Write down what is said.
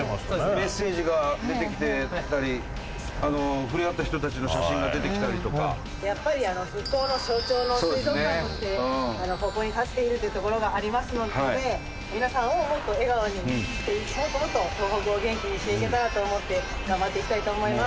メッセージが出てきてたりふれあった人たちの写真が出てきたりとかやっぱり復興の象徴の水族館としてここに立っているというところがありますのでみなさんをもっと笑顔にしてもっともっと東北を元気にしていけたらと思って頑張っていきたいと思います